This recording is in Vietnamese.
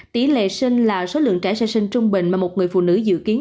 tỷ lệ sinh là số lượng trẻ sơ sinh trung bình mà một người phụ nữ dự kiến